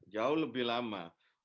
jauh lebih lama